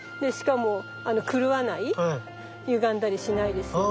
ゆがんだりしないで済むね。